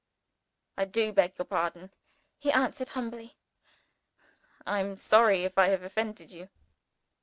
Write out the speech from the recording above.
"I do beg your pardon," he answered humbly. "I am sorry if I have offended you."